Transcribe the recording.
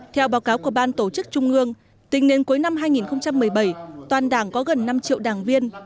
theo báo cáo của ban tổ chức trung ương tính đến cuối năm hai nghìn một mươi bảy toàn đảng có gần năm triệu đảng viên